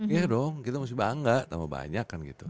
iya dong kita masih bangga tambah banyak kan gitu